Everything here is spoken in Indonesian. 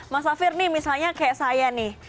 mas safir nih misalnya kayak saya nih